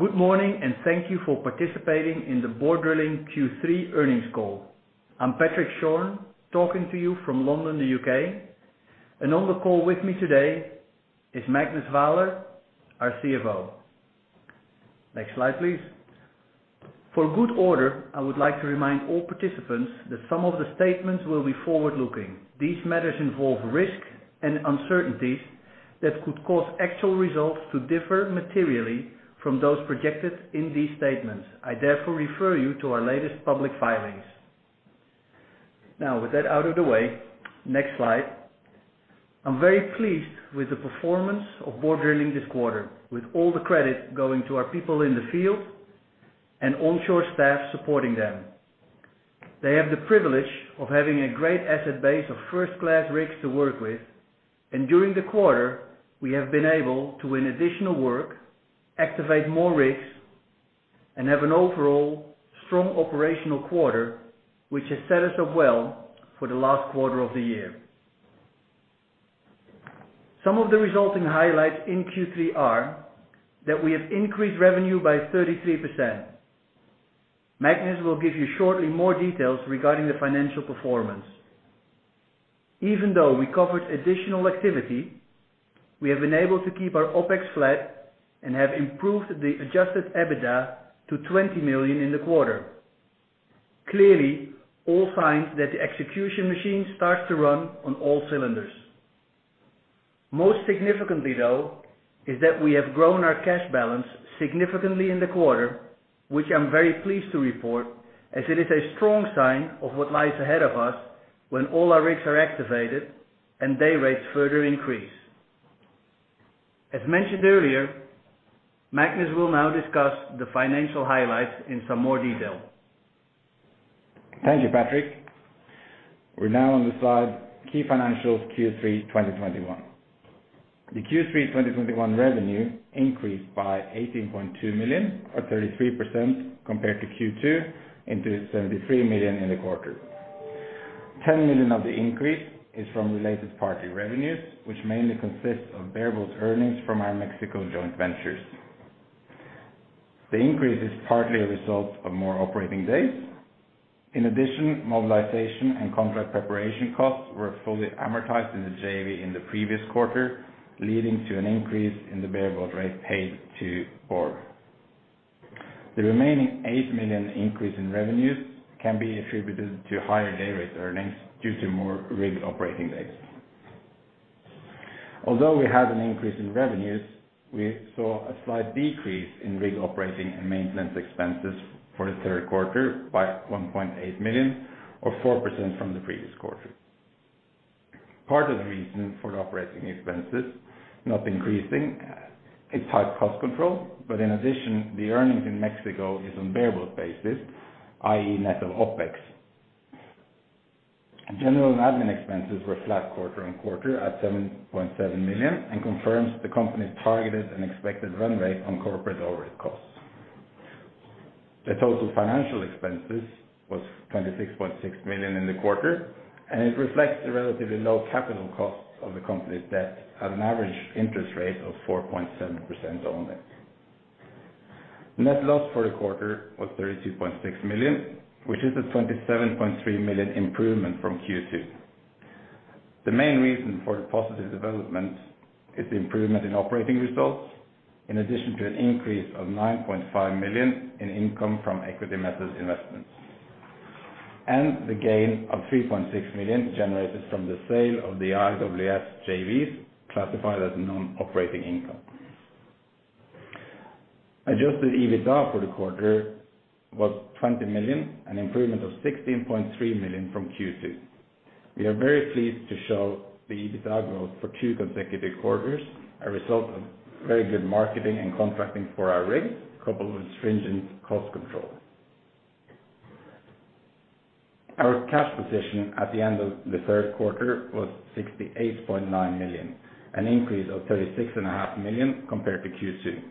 Good morning, and thank you for participating in the Borr Drilling Q3 earnings call. I'm Patrick Schorn, talking to you from London, U.K. On the call with me today is Magnus Vaaler, our CFO. Next slide, please. For good order, I would like to remind all participants that some of the statements will be forward-looking. These matters involve risks and uncertainties that could cause actual results to differ materially from those projected in these statements. I therefore refer you to our latest public filings. Now, with that out of the way, next slide. I'm very pleased with the performance of Borr Drilling this quarter, with all the credit going to our people in the field and onshore staff supporting them. They have the privilege of having a great asset base of first-class rigs to work with, and during the quarter, we have been able to win additional work, activate more rigs, and have an overall strong operational quarter, which has set us up well for the last quarter of the year. Some of the resulting highlights in Q3 are that we have increased revenue by 33%. Magnus will give you shortly more details regarding the financial performance. Even though we covered additional activity, we have been able to keep our OpEx flat and have improved the adjusted EBITDA to $20 million in the quarter. Clearly, all signs that the execution machine starts to run on all cylinders. Most significantly, though, is that we have grown our cash balance significantly in the quarter, which I'm very pleased to report, as it is a strong sign of what lies ahead of us when all our rigs are activated and day rates further increase. As mentioned earlier, Magnus will now discuss the financial highlights in some more detail. Thank you, Patrick. We're now on the slide, key financials Q3 2021. The Q3 2021 revenue increased by $18.2 million, or 33% compared to Q2 to $73 million in the quarter. $10 million of the increase is from related party revenues, which mainly consists of variable earnings from our Mexico joint ventures. The increase is partly a result of more operating days. In addition, mobilization and contract preparation costs were fully amortized in the JV in the previous quarter, leading to an increase in the bareboat rate paid to Borr. The remaining $8 million increase in revenues can be attributed to higher day rate earnings due to more rig operating days. Although we had an increase in revenues, we saw a slight decrease in rig operating and maintenance expenses for the third quarter by $1.8 million, or 4% from the previous quarter. Part of the reason for the operating expenses not increasing is tight cost control, but in addition, the earnings in Mexico is on variable basis, i.e. net of OpEx. General and admin expenses were flat quarter-over-quarter at $7.7 million, and confirms the company's targeted and expected run rate on corporate overhead costs. The total financial expenses was $26.6 million in the quarter, and it reflects the relatively low capital costs of the company's debt at an average interest rate of 4.7% only. Net loss for the quarter was $32.6 million, which is a $27.3 million improvement from Q2. The main reason for the positive development is the improvement in operating results, in addition to an increase of $9.5 million in income from equity method investments, and the gain of $3.6 million generated from the sale of the IWS JVs classified as non-operating income. Adjusted EBITDA for the quarter was $20 million, an improvement of $16.3 million from Q2. We are very pleased to show the EBITDA growth for two consecutive quarters, a result of very good marketing and contracting for our rig, coupled with stringent cost control. Our cash position at the end of the third quarter was $68.9 million, an increase of $36.5 million compared to Q2.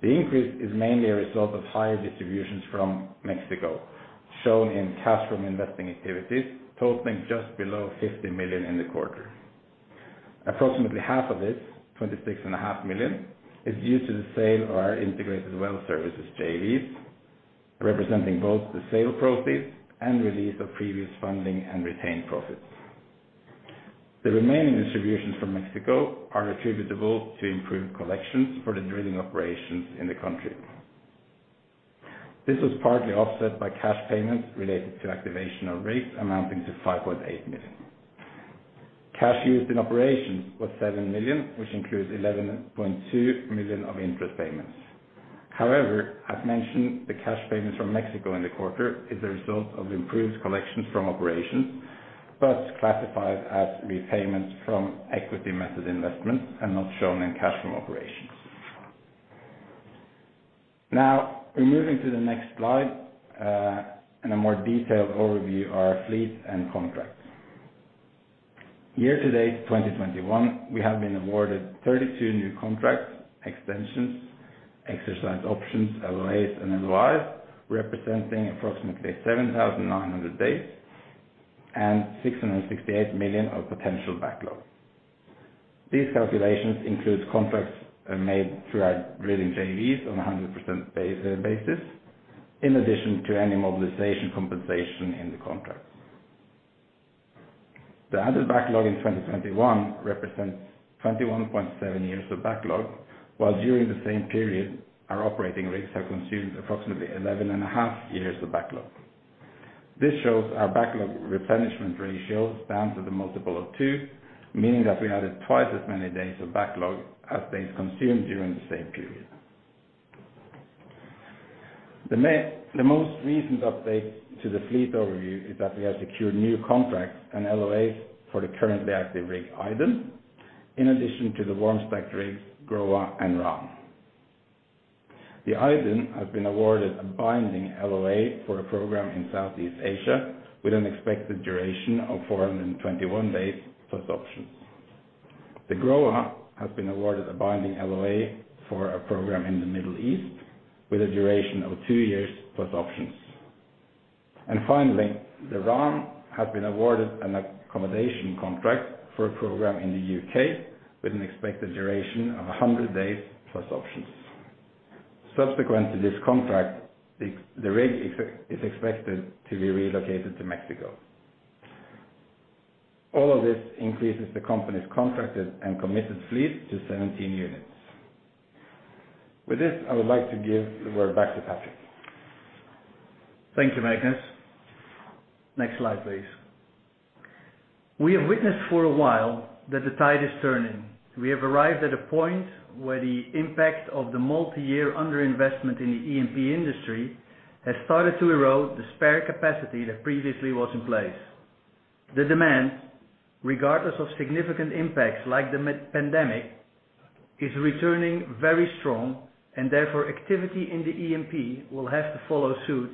The increase is mainly a result of higher distributions from Mexico, shown in cash from investing activities totaling just below $50 million in the quarter. Approximately half of this, $26.5 million, is due to the sale of our Integrated Well Services JVs, representing both the sale proceeds and release of previous funding and retained profits. The remaining distributions from Mexico are attributable to improved collections for the drilling operations in the country. This was partly offset by cash payments related to activation of rigs amounting to $5.8 million. Cash used in operations was $7 million, which includes $11.2 million of interest payments. However, as mentioned, the cash payments from Mexico in the quarter is a result of improved collections from operations, but classified as repayments from equity method investments and not shown in cash from operations. Now, we're moving to the next slide, and a more detailed overview of our fleets and contracts. Year to date, 2021, we have been awarded 32 new contracts, extensions, exercise options, LOAs, and LOIs, representing approximately 7,900 days and $668 million of potential backlog. These calculations include contracts made through our drilling JVs on a 100% basis, in addition to any mobilization compensation in the contract. The added backlog in 2021 represents 21.7 years of backlog, while during the same period, our operating rates have consumed approximately 11.5 years of backlog. This shows our backlog replenishment ratio stands at a multiple of two, meaning that we added twice as many days of backlog as days consumed during the same period. The most recent update to the fleet overview is that we have secured new contracts and LOAs for the currently active rig, Idun, in addition to the warm stacked rigs, Groa and Ran. The Idun has been awarded a binding LOA for a program in Southeast Asia, with an expected duration of 421 days, plus options. The Groa has been awarded a binding LOA for a program in the Middle East, with a duration of two years, plus options. Finally, the Ran has been awarded an accommodation contract for a program in the U.K. with an expected duration of 100 days, plus options. Subsequent to this contract, the rig is expected to be relocated to Mexico. All of this increases the company's contracted and committed fleet to 17 units. With this, I would like to give the word back to Patrick. Thank you, Magnus. Next slide, please. We have witnessed for a while that the tide is turning. We have arrived at a point where the impact of the multi-year under-investment in the E&P industry has started to erode the spare capacity that previously was in place. The demand, regardless of significant impacts like the mid-pandemic, is returning very strong, and therefore, activity in the E&P will have to follow suit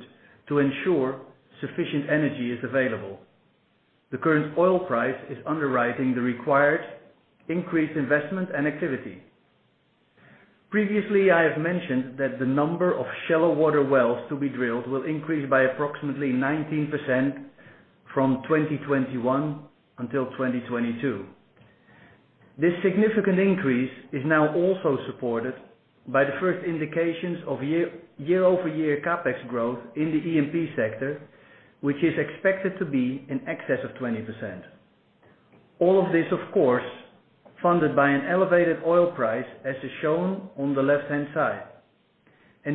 to ensure sufficient energy is available. The current oil price is underwriting the required increased investment and activity. Previously, I have mentioned that the number of shallow water wells to be drilled will increase by approximately 19% from 2021 until 2022. This significant increase is now also supported by the first indications of year-over-year CapEx growth in the E&P sector, which is expected to be in excess of 20%. All of this, of course, funded by an elevated oil price, as is shown on the left-hand side.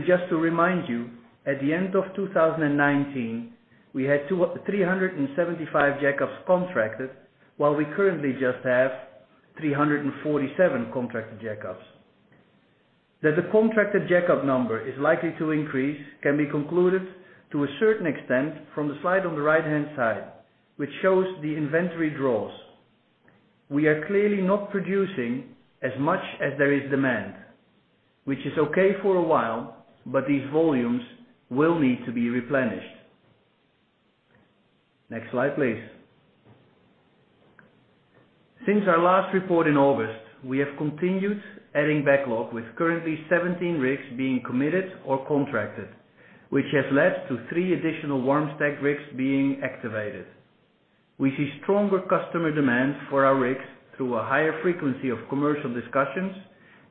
Just to remind you, at the end of 2019, we had 375 jackups contracted, while we currently just have 347 contracted jackups. That the contracted jackup number is likely to increase can be concluded to a certain extent from the slide on the right-hand side, which shows the inventory draws. We are clearly not producing as much as there is demand, which is okay for a while, but these volumes will need to be replenished. Next slide, please. Since our last report in August, we have continued adding backlog, with currently 17 rigs being committed or contracted, which has led to three additional warm stacked rigs being activated. We see stronger customer demand for our rigs through a higher frequency of commercial discussions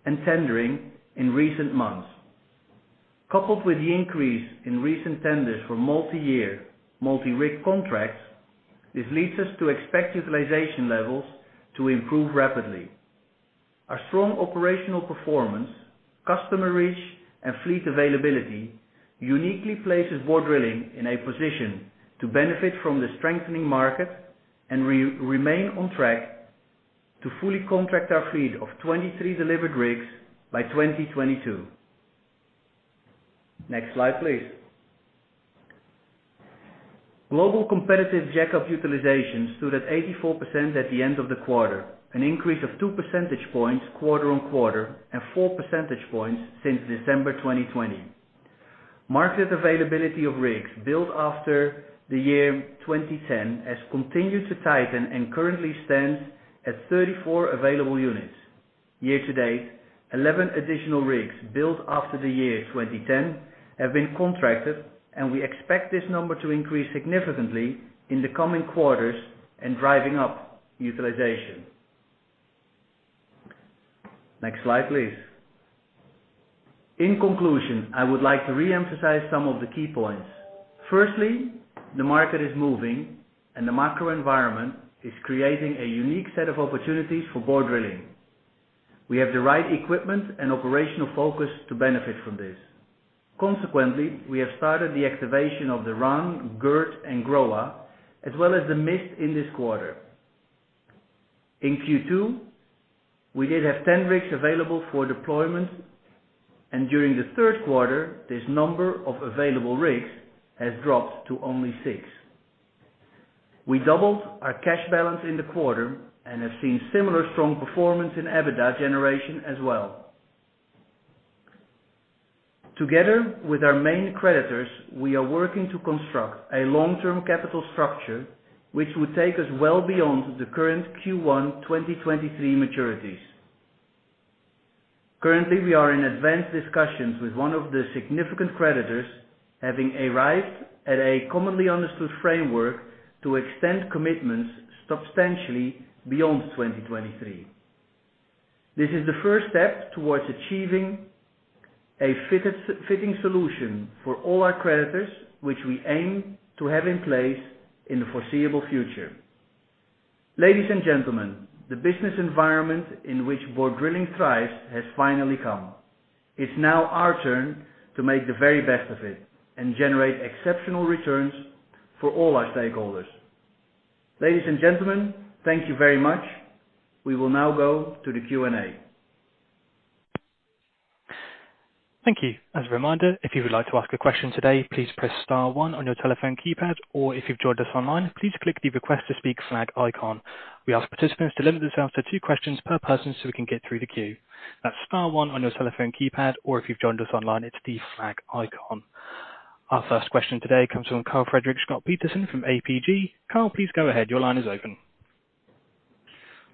and tendering in recent months. Coupled with the increase in recent tenders for multi-year, multi-rig contracts, this leads us to expect utilization levels to improve rapidly. Our strong operational performance, customer reach, and fleet availability uniquely places Borr Drilling in a position to benefit from the strengthening market and remain on track to fully contract our fleet of 23 delivered rigs by 2022. Next slide, please. Global competitive jackup utilization stood at 84% at the end of the quarter, an increase of 2 percentage points quarter-over-quarter and 4 percentage points since December 2020. Market availability of rigs built after the year 2010 has continued to tighten and currently stands at 34 available units. Year to date, 11 additional rigs built after the year 2010 have been contracted, and we expect this number to increase significantly in the coming quarters and driving up utilization. Next slide, please. In conclusion, I would like to re-emphasize some of the key points. Firstly, the market is moving, and the macro environment is creating a unique set of opportunities for Borr Drilling. We have the right equipment and operational focus to benefit from this. Consequently, we have started the activation of the Ran, Gerd, and Groa, as well as the Mist in this quarter. In Q2, we did have 10 rigs available for deployment, and during the third quarter, this number of available rigs has dropped to only six. We doubled our cash balance in the quarter and have seen similar strong performance in EBITDA generation as well. Together with our main creditors, we are working to construct a long-term capital structure which would take us well beyond the current Q1 2023 maturities. Currently, we are in advanced discussions with one of the significant creditors having arrived at a commonly understood framework to extend commitments substantially beyond 2023. This is the first step towards achieving a fitted, fitting solution for all our creditors, which we aim to have in place in the foreseeable future. Ladies and gentlemen, the business environment in which Borr Drilling thrives has finally come. It's now our turn to make the very best of it and generate exceptional returns for all our stakeholders. Ladies and gentlemen, thank you very much. We will now go to the Q&A. Thank you. As a reminder, if you would like to ask a question today, please press star one on your telephone keypad, or if you've joined us online, please click the Request to Speak flag icon. We ask participants to limit themselves to two questions per person so we can get through the queue. That's star one on your telephone keypad, or if you've joined us online, it's the flag icon. Our first question today comes from Karl Fredrik Schjøtt-Pedersen from ABG. Karl, please go ahead. Your line is open.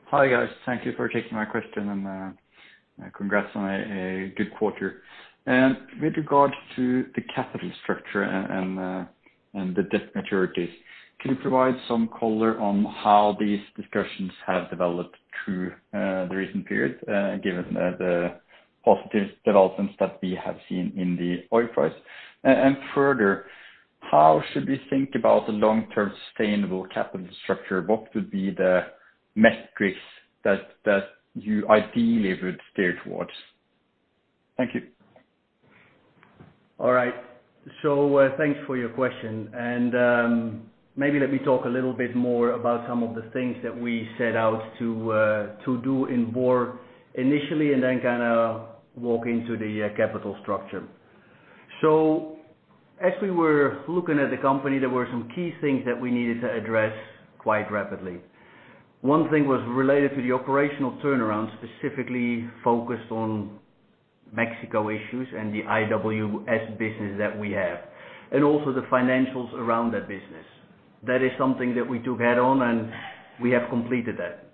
Hi, guys. Thank you for taking my question and congrats on a good quarter. With regard to the capital structure and the debt maturities, can you provide some color on how these discussions have developed through the recent period, given the positive developments that we have seen in the oil price? Further, how should we think about the long-term sustainable capital structure? What would be the metrics that you ideally would steer towards? Thank you. All right. Thanks for your question. Maybe let me talk a little bit more about some of the things that we set out to do in Borr initially, and then kinda walk into the capital structure. As we were looking at the company, there were some key things that we needed to address quite rapidly. One thing was related to the operational turnaround, specifically focused on Mexico issues and the IWS business that we have, and also the financials around that business. That is something that we took head on, and we have completed that.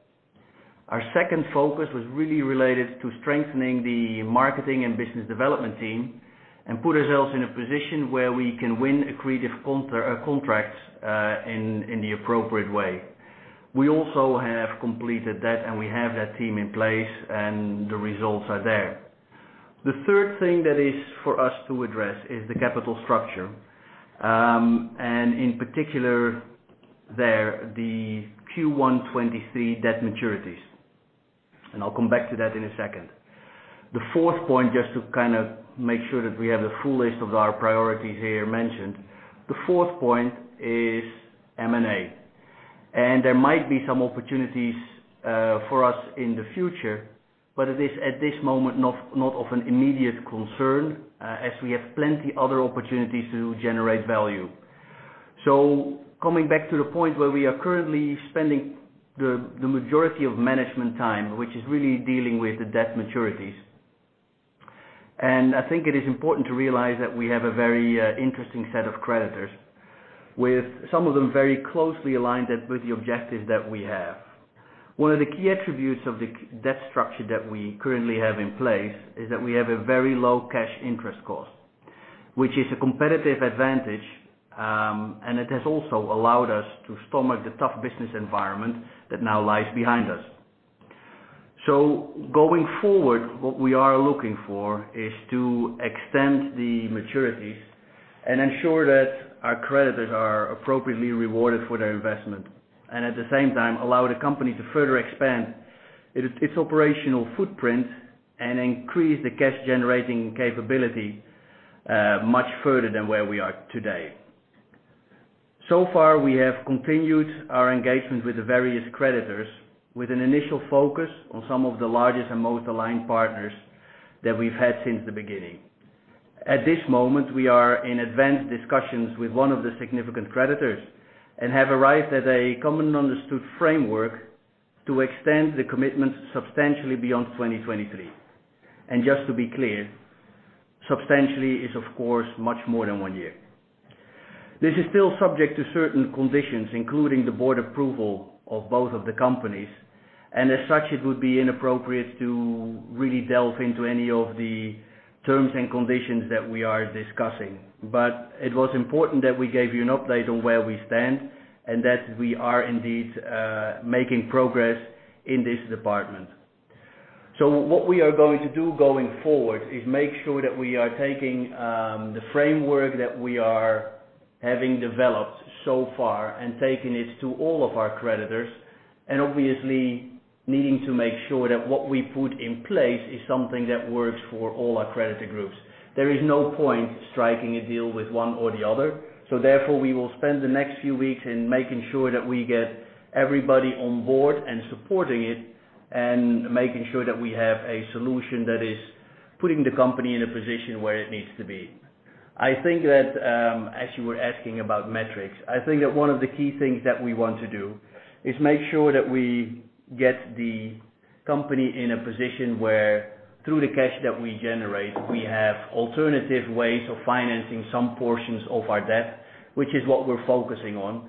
Our second focus was really related to strengthening the marketing and business development team and put ourselves in a position where we can win accretive contracts in the appropriate way. We also have completed that, and we have that team in place, and the results are there. The third thing that is for us to address is the capital structure, and in particular there, the Q1 2023 debt maturities, and I'll come back to that in a second. The fourth point, just to kind of make sure that we have the full list of our priorities here mentioned, the fourth point is M&A. There might be some opportunities for us in the future, but it is at this moment not of an immediate concern, as we have plenty other opportunities to generate value. Coming back to the point where we are currently spending the majority of management time, which is really dealing with the debt maturities. I think it is important to realize that we have a very interesting set of creditors, with some of them very closely aligned with the objectives that we have. One of the key attributes of the debt structure that we currently have in place is that we have a very low cash interest cost, which is a competitive advantage, and it has also allowed us to stomach the tough business environment that now lies behind us. Going forward, what we are looking for is to extend the maturities and ensure that our creditors are appropriately rewarded for their investment. At the same time, allow the company to further expand its operational footprint and increase the cash-generating capability much further than where we are today. So far we have continued our engagement with the various creditors with an initial focus on some of the largest and most aligned partners that we've had since the beginning. At this moment, we are in advanced discussions with one of the significant creditors and have arrived at a commonly understood framework to extend the commitment substantially beyond 2023. Just to be clear, substantially is of course much more than one year. This is still subject to certain conditions, including the board approval of both of the companies, and as such, it would be inappropriate to really delve into any of the terms and conditions that we are discussing. It was important that we gave you an update on where we stand and that we are indeed making progress in this department. What we are going to do going forward is make sure that we are taking the framework that we are having developed so far and taking it to all of our creditors and obviously needing to make sure that what we put in place is something that works for all our creditor groups. There is no point striking a deal with one or the other. Therefore, we will spend the next few weeks in making sure that we get everybody on board and supporting it and making sure that we have a solution that is putting the company in a position where it needs to be. I think that, as you were asking about metrics, I think that one of the key things that we want to do is make sure that we get the Company in a position where through the cash that we generate, we have alternative ways of financing some portions of our debt, which is what we're focusing on.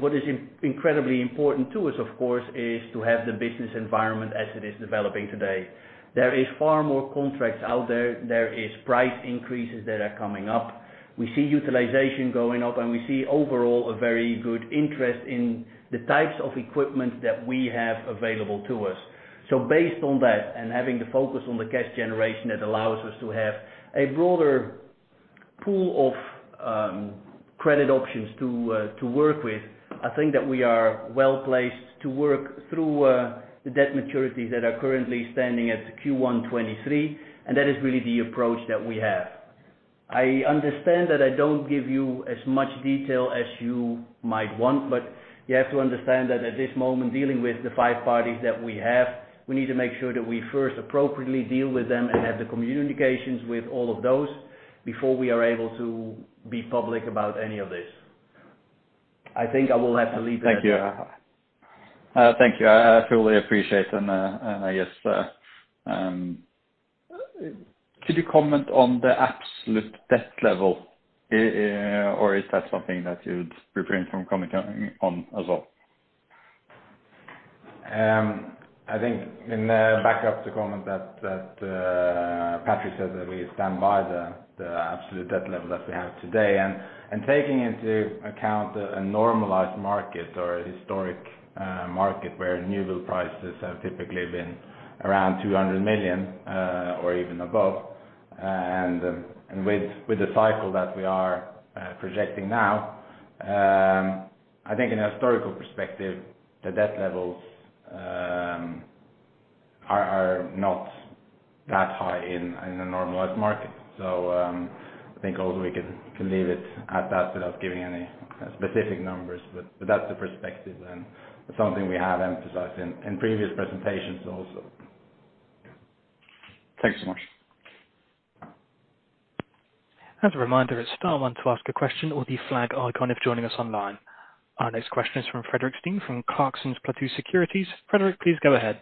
What is incredibly important to us, of course, is to have the business environment as it is developing today. There is far more contracts out there. There is price increases that are coming up. We see utilization going up, and we see overall a very good interest in the types of equipment that we have available to us. Based on that, and having the focus on the cash generation, that allows us to have a broader pool of credit options to work with. I think that we are well-placed to work through the debt maturities that are currently standing at Q1 2023, and that is really the approach that we have. I understand that I don't give you as much detail as you might want, but you have to understand that at this moment, dealing with the five parties that we have, we need to make sure that we first appropriately deal with them and have the communications with all of those before we are able to be public about any of this. I think I will have to leave that. Thank you. I truly appreciate and I guess could you comment on the absolute debt level, or is that something that you'd refrain from commenting on as well? I think back up to comment that Patrick said that we stand by the absolute debt level that we have today. Taking into account a normalized market or a historic market where new build prices have typically been around $200 million or even above, and with the cycle that we are projecting now, I think in a historical perspective, the debt levels are not that high in a normalized market. I think also we can leave it at that without giving any specific numbers. That's the perspective and something we have emphasized in previous presentations also. Thanks so much. As a reminder, it's star one to ask a question or the flag icon if joining us online. Our next question is from Fredrik Stene from Clarksons Platou Securities. Fredrik, please go ahead.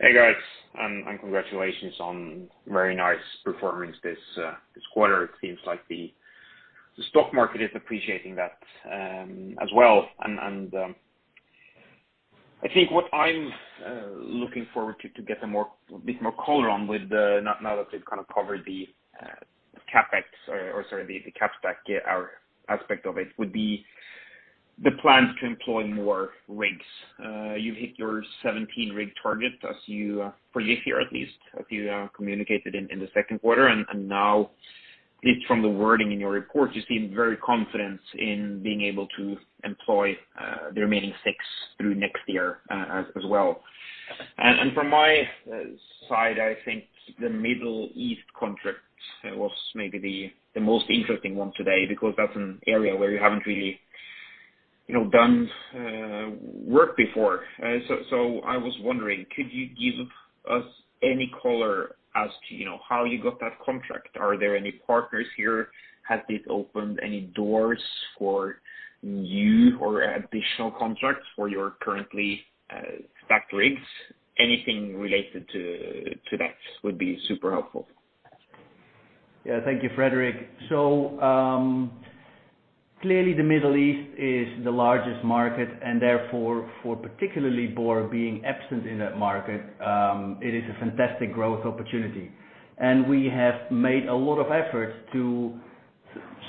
Hey, guys, congratulations on very nice performance this quarter. It seems like the stock market is appreciating that, as well. I think what I'm looking forward to get a bit more color on now that we've kind of covered the CapEx aspect of it would be the plans to employ more rigs. You've hit your 17 rig target for this year at least, as you communicated in the second quarter. Now at least from the wording in your report, you seem very confident in being able to employ the remaining six through next year, as well. From my side, I think the Middle East contract was maybe the most interesting one today because that's an area where you haven't really, you know, done work before. I was wondering, could you give us any color as to, you know, how you got that contract? Are there any partners here? Has it opened any doors for you or additional contracts for your currently stacked rigs? Anything related to that would be super helpful. Yeah. Thank you, Fredrik. Clearly the Middle East is the largest market and therefore for particularly Borr being absent in that market, it is a fantastic growth opportunity. We have made a lot of efforts to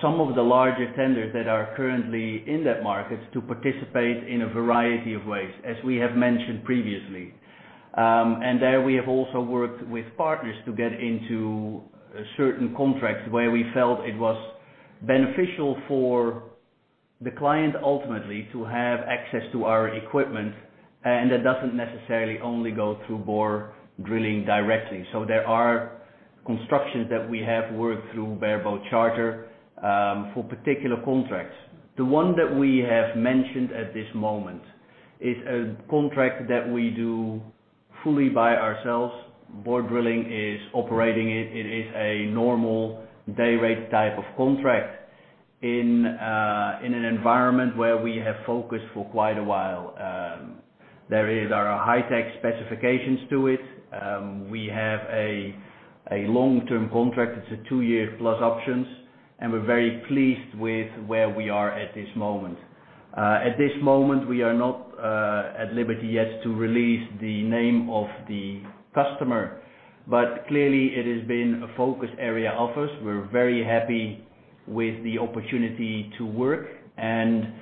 some of the larger tenders that are currently in that market to participate in a variety of ways, as we have mentioned previously. There we have also worked with partners to get into certain contracts where we felt it was beneficial for the client ultimately to have access to our equipment, and that doesn't necessarily only go through Borr Drilling directly. There are constructions that we have worked through bareboat charter for particular contracts. The one that we have mentioned at this moment is a contract that we do fully by ourselves. Borr Drilling is operating it. It is a normal day rate type of contract in an environment where we have focused for quite a while. There are high tech specifications to it. We have a long-term contract. It's a two-year plus options, and we're very pleased with where we are at this moment. At this moment, we are not at liberty yet to release the name of the customer, but clearly it has been a focus area of us. We're very happy with the opportunity to work, and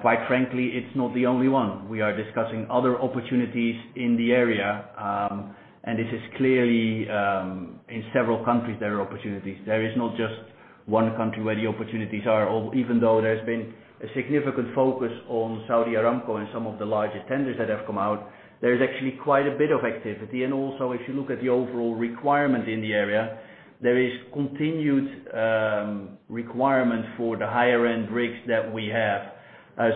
quite frankly, it's not the only one. We are discussing other opportunities in the area, and this is clearly in several countries there are opportunities. There is not just one country where the opportunities are, or even though there's been a significant focus on Saudi Aramco and some of the larger tenders that have come out, there is actually quite a bit of activity. Also if you look at the overall requirement in the area, there is continued requirement for the higher end rigs that we have.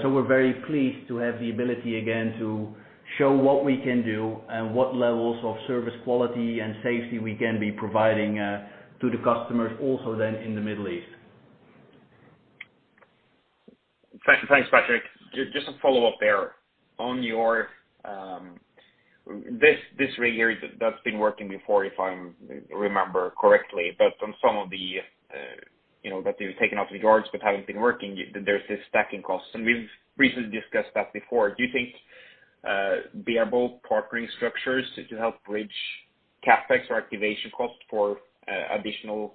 We're very pleased to have the ability again to show what we can do and what levels of service quality and safety we can be providing to the customers also then in the Middle East. Thanks, Patrick. Just a follow-up there. On this rig here that's been working before, if I remember correctly, but on some of the you know that you've taken off the yards but haven't been working, there's stacking costs, and we've recently discussed that before. Do you think variable partnering structures to help bridge CapEx or activation costs for additional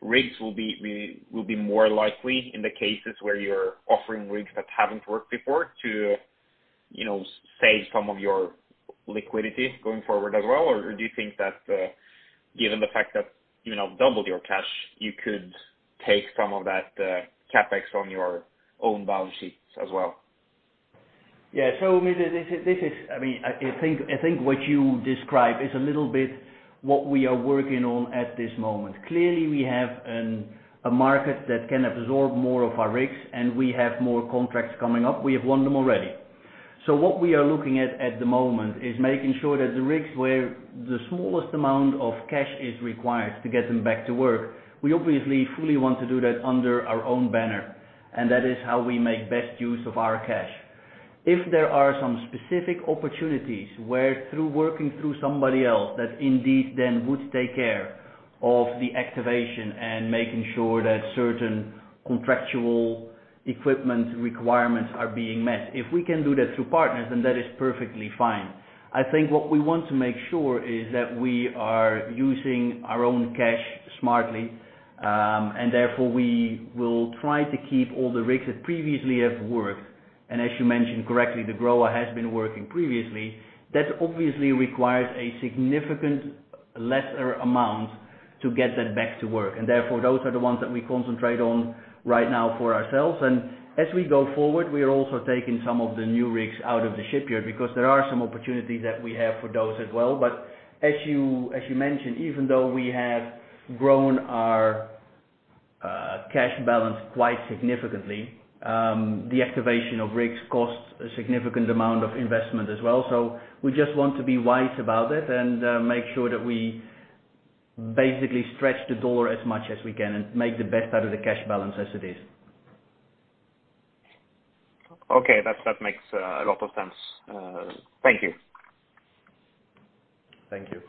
rigs will be more likely in the cases where you're offering rigs that haven't worked before to you know save some of your liquidity going forward as well? Or do you think that given the fact that you now double your cash, you could take some of that CapEx on your own balance sheets as well? Yeah. I think what you describe is a little bit what we are working on at this moment. Clearly, we have a market that can absorb more of our rigs, and we have more contracts coming up. We have won them already. What we are looking at at the moment is making sure that the rigs where the smallest amount of cash is required to get them back to work, we obviously fully want to do that under our own banner, and that is how we make best use of our cash. If there are some specific opportunities where through working through somebody else that indeed then would take care of the activation and making sure that certain contractual equipment requirements are being met, if we can do that through partners, then that is perfectly fine. I think what we want to make sure is that we are using our own cash smartly, and therefore we will try to keep all the rigs that previously have worked, and as you mentioned correctly, the Groa has been working previously. That obviously requires a significant lesser amount to get that back to work, and therefore, those are the ones that we concentrate on right now for ourselves. As we go forward, we are also taking some of the new rigs out of the shipyard because there are some opportunities that we have for those as well. As you mentioned, even though we have grown our cash balance quite significantly, the activation of rigs costs a significant amount of investment as well. We just want to be wise about it and make sure that we basically stretch the dollar as much as we can and make the best out of the cash balance as it is. Okay. That makes a lot of sense. Thank you. Thank you.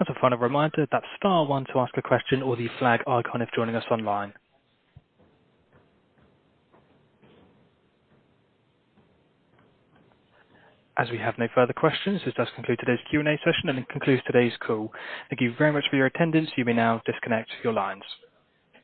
As a final reminder, that's star one to ask a question or the flag icon if joining us online. As we have no further questions, this does conclude today's Q&A session and it concludes today's call. Thank you very much for your attendance. You may now disconnect your lines.